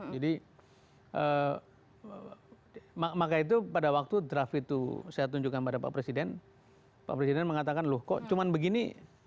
jadi maka itu pada waktu draft itu saya tunjukkan pada pak presiden pak presiden mengatakan loh kok cuma begini